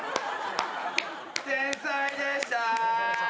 天才でした。